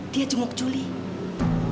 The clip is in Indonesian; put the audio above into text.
dia jumuk julie